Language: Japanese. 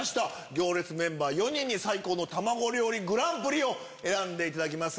『行列』メンバー４人に最高の卵料理グランプリを選んでいただきます。